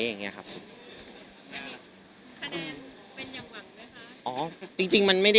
อเรนนี่คะแดนเป็นยังหวังไหมคะ